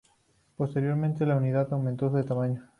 Posteriormente, la unidad aumentó de tamaño.